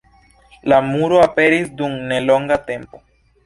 La muro aperis dum nelonga tempo.